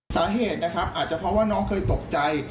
สาเหตุนะครับอาจจะเพราะว่าน้องเคยตกใจ